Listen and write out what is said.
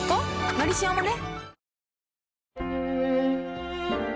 「のりしお」もね